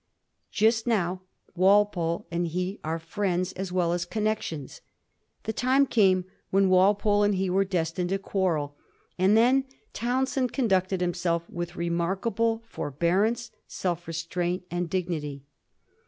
Just now, Walpole and he are finends as well as connections ; the time came when Walpole and he were destined to quarrel ; and then Townshend conducted himself with remarkable forbearance, self restraint, and dignity.